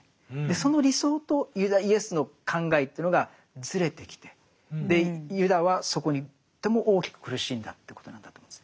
その理想とイエスの考えというのがずれてきてユダはそこにとっても大きく苦しんだということなんだと思うんです。